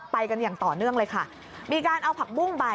ไปกันอย่างต่อเนื่องเลยค่ะมีการเอาผักบุ้งไป